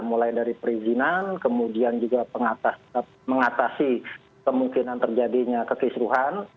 mulai dari perizinan kemudian juga mengatasi kemungkinan terjadinya kekisruhan